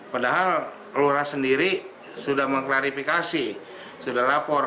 padahal lurah sendiri sudah mengklarifikasi sudah lapor